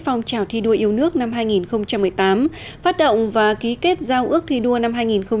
phong trào thi đua yêu nước năm hai nghìn một mươi tám phát động và ký kết giao ước thi đua năm hai nghìn một mươi chín